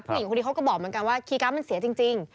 ผู้หญิงคนนี้เขาก็บอกเหมือนกันว่าคีย์การ์ดมันเสียจริง